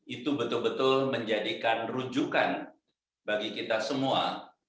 itu betul betul menjadikan rujukan bagi kita semua